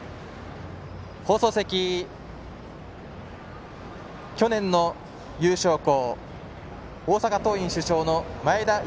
放送席、去年の優勝校大阪桐蔭主将の前田悠